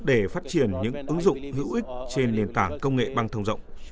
để phát triển những ứng dụng hữu ích trên nền tảng công nghệ băng thông rộng